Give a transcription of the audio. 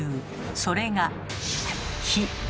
それが火。